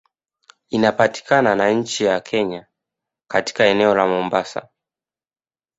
Inapatakana na nchi ya kenya katika eneo la mombasa